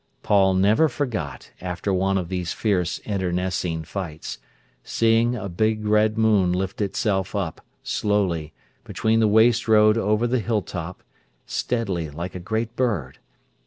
Paul never forgot, after one of these fierce internecine fights, seeing a big red moon lift itself up, slowly, between the waste road over the hilltop, steadily, like a great bird.